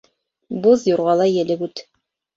Буҙ юрғалай елеп үт.